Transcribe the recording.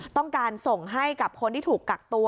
ต้องการส่งให้กับคนที่ถูกกักตัว